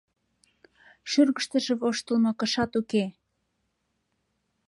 Шӱргыштыжӧ воштылмо кышат уке.